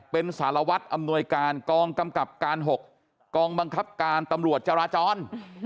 เป็นสารวัตรอำนวยการกองกำกับการ๖กองบังคับการตำรวจจราจร